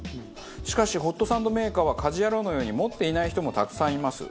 しかしホットサンドメーカーは家事ヤロウのように持っていない人もたくさんいます。